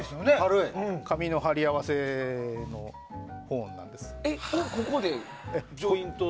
紙の貼り合わせのホーンなんです。